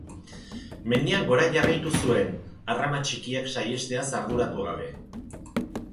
Mendian gora jarraitu zuen, arrama txikiak saihesteaz arduratu gabe.